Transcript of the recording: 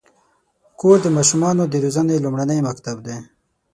کور د ماشومانو د روزنې لومړنی مکتب دی.